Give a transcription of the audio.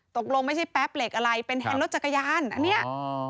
ตกลงไม่ใช่แป๊บเหล็กอะไรเป็นแฮนด์รถจักรยานอันเนี้ยอ่า